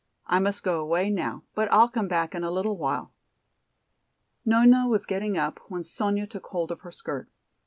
I must go away now, but I'll come back in a little while." Nona was getting up when Sonya took hold of her skirt.